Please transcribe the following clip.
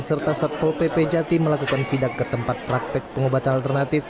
serta satpol pp jati melakukan sidak ke tempat praktek pengobatan alternatif